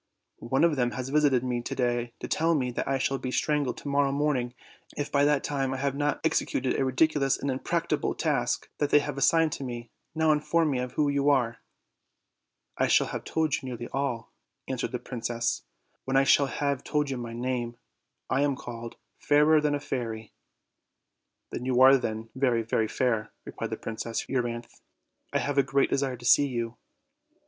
One of them has visited me to day to tell me that I shall be strangled to morrow morning if by that time I have not executed a ridiculous and impracticable task that they have assigned to me; now inform me who you are." "I shall have told you nearly all," answered the prin cess, "when I shall have told you my name. I am called 'Fairer than a Fairy.' "You are then very, very fair," replied Princess Eu ryanthe; "I have a great desire to see you."